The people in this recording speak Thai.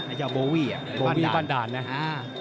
ไอ้ชโบวี่บ้านด่านนะอ่า